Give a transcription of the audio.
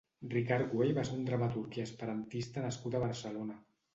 Ricard Güell va ser un dramaturg i esperantista nascut a Barcelona.